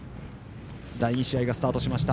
第２試合がスタートしました。